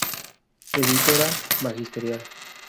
Editora Magisterial.